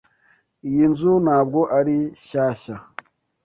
Iyi nzu ntabwo ari shyashya.